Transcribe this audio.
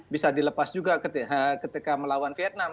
bisa dilepas juga ketika melawan vietnam